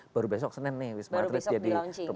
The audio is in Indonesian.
baru besok senin nih wisma atlet jadi struk